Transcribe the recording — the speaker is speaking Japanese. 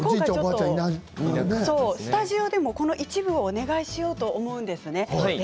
スタジオでも、この一部をお願いしたいと思います。